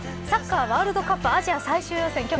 サッカーワールドカップアジア最終予選